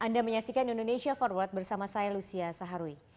anda menyaksikan indonesia forward bersama saya lucia saharwi